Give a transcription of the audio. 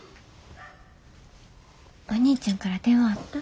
お兄ちゃんから電話あった？